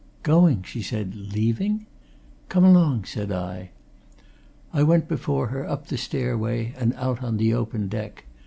"Going!" she said. "Leaving?" "Come along!" said I. I went before her up the stairway and out on the open deck.